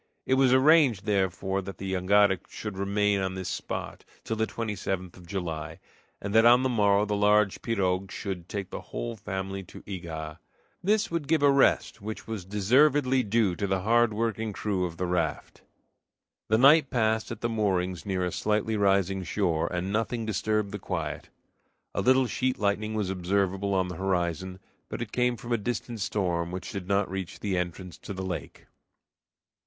It was arranged, therefore, that the jangada should remain on this spot till the 27th of July, and that on the morrow the large pirogue should take the whole family to Ega. This would give a rest, which was deservedly due to the hard working crew of the raft. The night passed at the moorings near a slightly rising shore, and nothing disturbed the quiet. A little sheet lightning was observable on the horizon, but it came from a distant storm which did not reach the entrance to the lake.